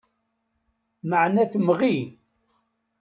Meεna temɣi.